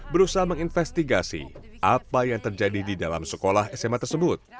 berusaha menginvestigasi apa yang terjadi di dalam sekolah sma tersebut